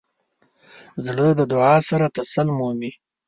زړه د دعا سره تسل مومي.